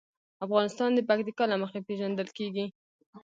افغانستان د پکتیکا له مخې پېژندل کېږي.